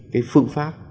cái phương pháp